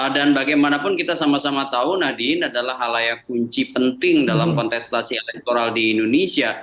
dan bagaimanapun kita sama sama tahu nahdijin adalah hal yang kunci penting dalam kontestasi elektoral di indonesia